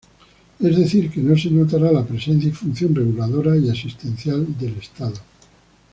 Es decir, que se notara la presencia y función reguladora y asistencial del Estado.